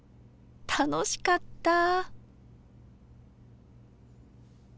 楽しかったぁ。